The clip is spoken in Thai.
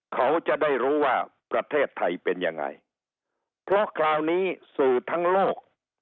เขาจะได้รู้ว่าประเทศไทยเป็นยังไงเพราะคราวนี้สื่อทั้งโลก